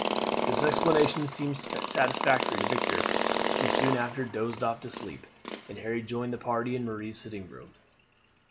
This explanation seemed satisfactory to Victor, who soon after dozed off to sleep, and Harry joined the party in Marie's sitting room.